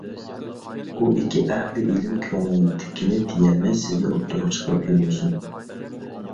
ئۇ ئىككى ئەھلى ئىلىم كۆڭلىدىكىنى دېيەلمەي سىزنى ئوتتۇرىغا چىقىرىپ يۈرمىسۇن.